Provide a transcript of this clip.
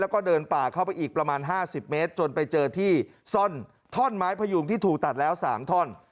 แล้วก็เดินป่าเข้าไปอีกประมาณ๕๐เมตรจนไปเจอที่ซ่อนท่อนไม้พยุงที่ถูกตัดแล้ว๓ท่อน